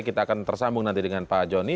kita akan tersambung nanti dengan pak joni